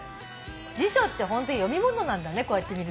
辞書ってホント読み物なんだねこうやってみるとね。